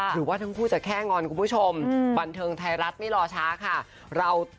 หรือว่าทั้งคู่จะแค่งอนคุณผู้ชมบันเทิงไทยรัฐไม่รอช้าค่ะ